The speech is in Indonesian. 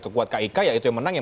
kuat kik ya itu yang menang ya